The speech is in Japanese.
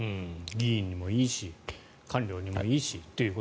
議員にもいいし官僚にもいいしと。